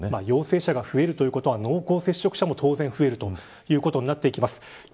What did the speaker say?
陽性者が増えるということは濃厚接触者も当然増えることになってきます。